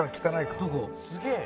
「すげえ！